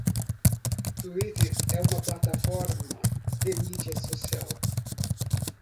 Twitter é uma plataforma de mídia social.